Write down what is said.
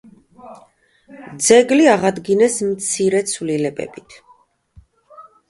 ძეგლი აღადგინეს მცირე ცვლილებებით.